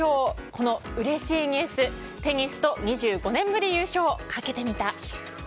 このうれしいニュース、テニスと２５年ぶり優勝をかけてみた。